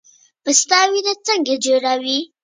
پسته وینه څنګه جوړوي؟